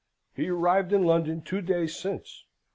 "He arrived in London two days since.